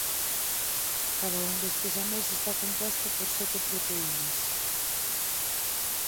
Cada un destes aneis está composto por sete proteínas.